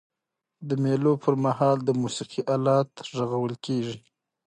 د مېلو پر مهال د موسیقۍ آلات ږغول کيږي.